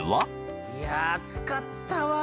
いや熱かったわ！